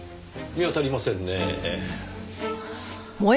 見当たりませんねぇ。